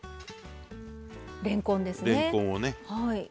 れんこんですね。